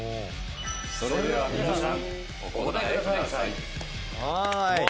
それでは皆さんお答えください。